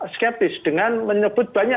skeptis dengan menyebut banyak